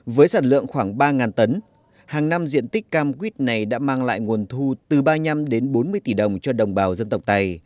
với sản lượng khoảng ba tấn hàng năm diện tích cam quýt này đã mang lại nguồn thu từ ba mươi năm bốn mươi tỷ đồng cho đồng bào dân tộc tài